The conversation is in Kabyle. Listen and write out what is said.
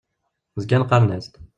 Zgan qqaren-as-d.